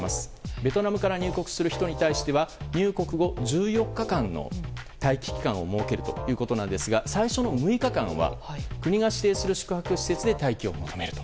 ベトナムから入国する人に対しては入国後、１４日間の待機期間を設けるということですが最初の６日間は国が指定する宿泊施設で待機を求めると。